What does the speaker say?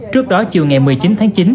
trước đó chiều ngày một mươi chín tháng chín